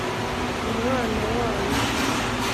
Mu mwana wayo